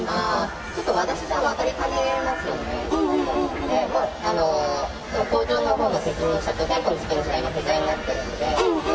ちょっと私じゃ分かりかねますので、工場のほうの責任者と、店舗の責任者が今、不在になっているので。